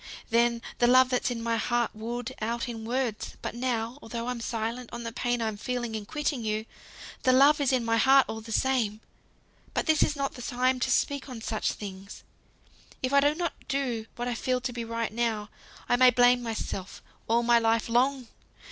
Then, the love that's in my heart would out in words; but now, though I'm silent on the pain I'm feeling in quitting you, the love is in my heart all the same. But this is not the time to speak on such things. If I do not do what I feel to be right now, I may blame myself all my life long!